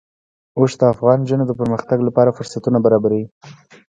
اوښ د افغان نجونو د پرمختګ لپاره فرصتونه برابروي.